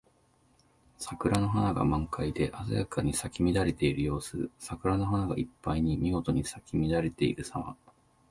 桜の花が満開で鮮やかに咲き乱れている様子。桜の花がいっぱいにみごとに咲き乱れているさま。